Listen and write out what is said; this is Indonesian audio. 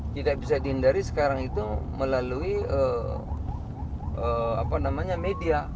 tidak bisa dihindari sekarang itu melalui media